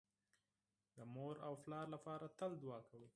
د مور او پلار لپاره تل دوعا کوئ